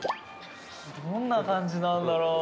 どんな感じなんだろう？